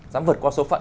dám vượt qua số phận